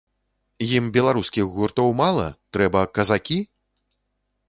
Ім беларускіх гуртоў мала, трэба казакі?